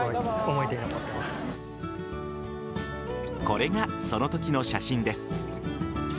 これがそのときの写真です。